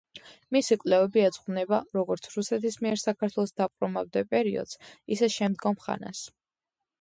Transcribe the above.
მისი კვლევები ეძღვნება როგორც რუსეთის მიერ საქართველოს დაპყრობამდე პერიოდს, ისე შემდგომ ხანას.